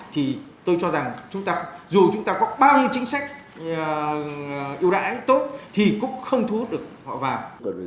thì tôi cho rằng dù chúng ta có bao nhiêu chính sách ưu đãi tốt thì cũng không thu hút được họ vào